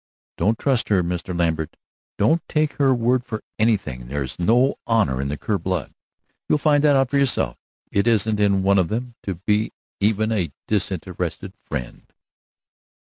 Don't trust her, Mr. Lambert, don't take her word for anything. There's no honor in the Kerr blood; you'll find that out for yourself. It isn't in one of them to be even a disinterested friend."